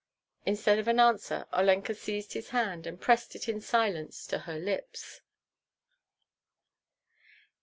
Instead of an answer, Olenka seized his hand, and pressed it in silence to her lips.